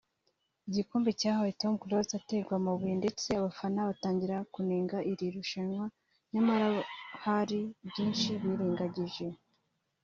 igikombe cyahawe Tom Close aterwa amabuye ndetse abafana batangira kunenga iri rushanwa nyamara hari byinshi birengagije